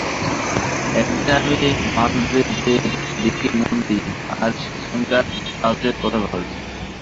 একদিন আমি মান্দ্রাজের দিকে মন দিই, আর সেখানকার কাজের কথা ভাবি।